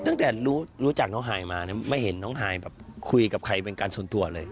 ตั้งแต่รู้จักน้องฮายมาไม่เห็นน้องฮายแบบคุยกับใครเป็นการส่วนตัวเลย